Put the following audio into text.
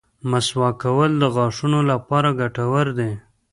مسواک کول د غاښونو لپاره ګټور دي.